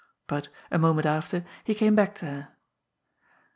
But, a moment after, he came back to her.